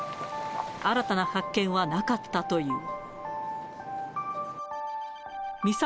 新たな発見はなかったという。